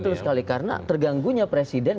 betul sekali karena terganggunya presiden